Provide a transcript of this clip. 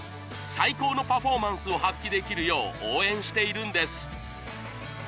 最高のパフォーマンスを発揮できるよう応援しているんです